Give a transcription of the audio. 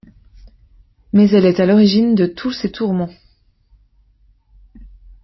Mais elle est à l'origine de tous ses tourments.